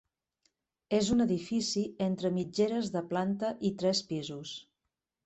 És un edifici entre mitgeres de planta i tres pisos.